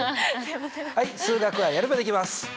はい数学はやればできます！